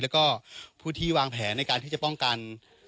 แล้วก็ผู้ที่วางแผนในการที่จะป้องกัน